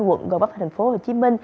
quận gò vấp tp hcm